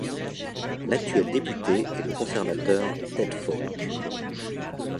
L'actuel député est le conservateur Ted Falk.